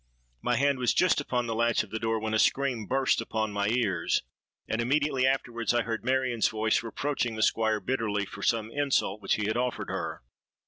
My hand was just upon the latch of the door, when a scream burst upon my ears; and immediately afterwards I heard Marion's voice reproaching the Squire bitterly for some insult which he had offered her.